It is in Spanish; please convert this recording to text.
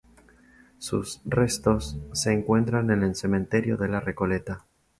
Sus restos se encuentran en el Cementerio de la Recoleta.